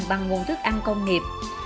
bằng nguồn thức ăn công nghiệp